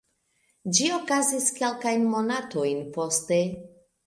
Ĝi okazis kelkajn monatojn poste.